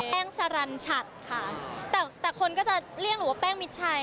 สรรชัดค่ะแต่คนก็จะเรียกหนูว่าแป้งมิดชัย